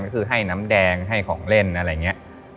ก็คือให้น้ำแดงให้ของเล่นอะไรอย่างนี้